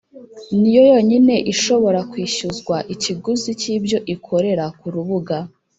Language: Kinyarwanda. niyo yonyine ishobora kwishyuzwa ikiguzi cy’ibyo ikorera ku rubuga